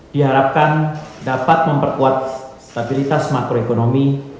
diharapkan dapat memperkuat stabilitas makroekonomi